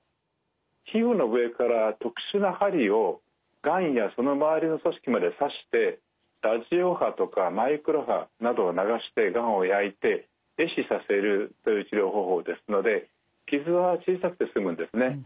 皮膚の上から特殊な針をがんやその周りの組織まで刺してラジオ波とかマイクロ波などを流してがんを焼いて壊死させるという治療方法ですので傷は小さくて済むんですね。